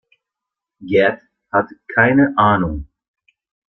Gerd hat keine Ahnung.